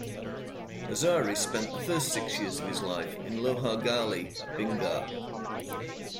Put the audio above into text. Hazare spent the first six years of his life in Lohar Galli, Bhingar.